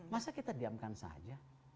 masa kita diamkan saja